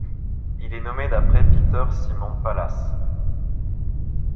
Il est nommé d'après Peter Simon Pallas.